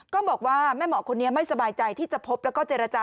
ก็บอกว่าแม่หมอคนนี้ไม่สบายใจที่จะพบแล้วก็เจรจา